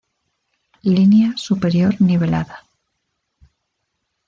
Línea superior nivelada.